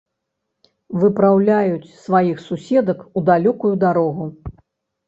Выпраўляюць сваіх суседак у далёкую дарогу.